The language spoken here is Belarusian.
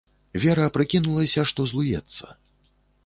Вера прыкінулася, што злуецца.